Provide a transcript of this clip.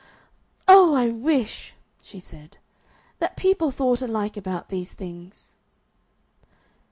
"Oh! I wish," she said, "that people thought alike about these things."